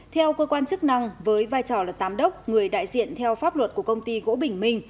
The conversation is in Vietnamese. theo cơ quan chức năng với vai trò là giám đốc người đại diện theo pháp luật của công ty gỗ bình minh